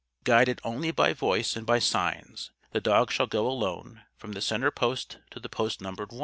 "Guided only by voice and by signs, the dog shall go alone from the center post to the post numbered '1.'